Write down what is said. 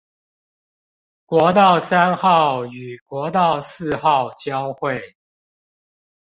國道三號與國道四號交會